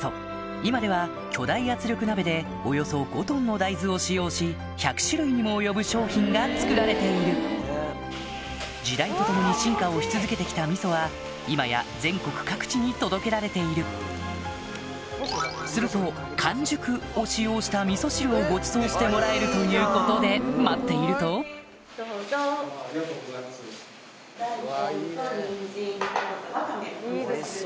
今では巨大圧力鍋でおよそ５ｔの大豆を使用し１００種類にも及ぶ商品が作られている時代とともに進化をし続けてきた味噌は今や全国各地に届けられているするとをごちそうしてもらえるということで待っているとありがとうございます。